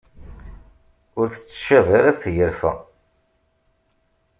Ur tettcab ara tgerfa.